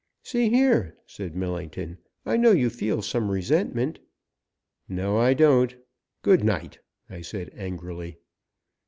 "See here," said Millington, "I know you feel some resentment." "No I don't! Good night!" I said angrily.